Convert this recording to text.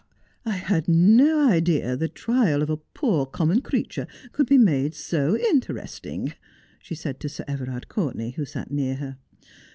' I had no idea the trial of a poor common creature could be made so interesting,' she said to Sir Everard Courtenay, who sat near her.